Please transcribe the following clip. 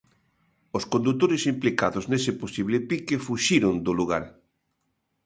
Os condutores implicados nese posible pique fuxiron do lugar.